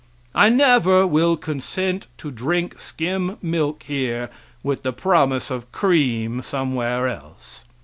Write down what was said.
I never will consent to drink skim milk here with the promise of cream somewhere else.